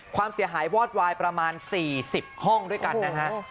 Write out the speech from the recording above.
ความเสียหายวอดวายประมาณ๔๐ห้องด้วยกันนะฮะ